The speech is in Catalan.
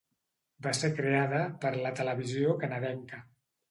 Va ser creada per la televisió canadenca.